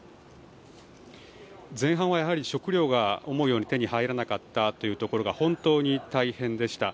前半はやはり食料が思うように手に入らなかったというところが本当に大変でした。